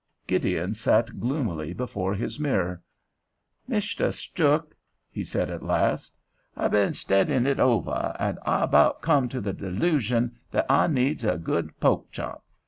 Gideon sat gloomily before his mirror. "Misteh Stuhk," he said at last, "I been steddyin' it oveh, and I about come to the delusion that I needs a good po'k chop.